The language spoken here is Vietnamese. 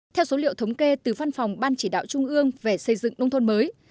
theo số liệu thống kê từ văn phòng ban chỉ đạo trung ương về xây dựng nông thôn mới